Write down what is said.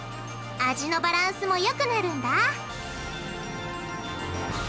味のバランスもよくなるんだ！